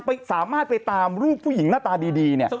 สามารถไปตามรูปผู้หญิงหน้าตาดีเนี่ย